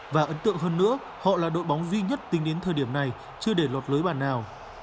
và ấn tượng hơn nữa họ là đội bóng duy nhất tính đến thời điểm này chưa để lọt lưới bàn nào